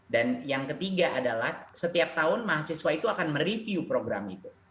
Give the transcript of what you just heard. dan yang ketiga adalah setiap tahun mahasiswa itu akan mereview program itu